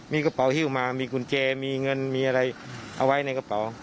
มีกระเป๋าฮิวมามีกุญแจมีเงินมีอะไรเอาไว้ในกระเป๋า